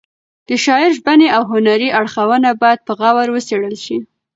د شاعر ژبني او هنري اړخونه باید په غور وڅېړل شي.